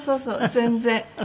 全然。